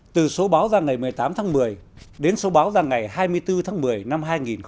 từ số báo ra ngày một mươi tám tháng một mươi đến số báo ra ngày hai mươi bốn tháng một mươi năm hai nghìn một mươi tám